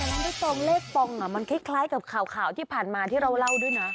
น้องใบตองเลขปองมันคล้ายกับข่าวที่ผ่านมาที่เราเล่าด้วยนะ